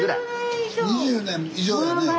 ２０年以上やね。